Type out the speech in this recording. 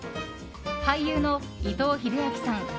俳優の伊藤英明さん